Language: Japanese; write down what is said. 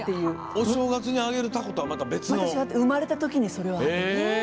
お正月にあげるたことはまた違って生まれた時に。